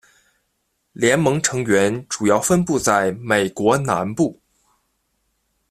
联盟成员主要分布在美国南部。